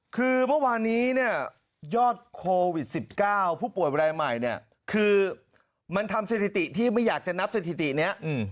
คือเมื่อวานนี้เนี่ยยอดโควิด๑๙ผู้ป่วยรายใหม่เนี่ยคือมันทำสถิติที่ไม่อยากจะนับสถิตินี้